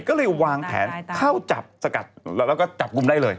ก็เลยวางแผนเข้าจับสกัดแล้วก็จับกลุ่มได้เลย